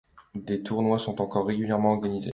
Des tournois sont encore régulièrement organisés.